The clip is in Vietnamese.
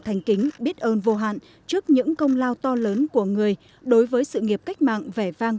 thành kính biết ơn vô hạn trước những công lao to lớn của người đối với sự nghiệp cách mạng vẻ vang